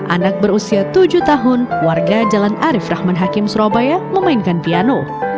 anak berusia tujuh tahun warga jalan arief rahman hakim surabaya memainkan piano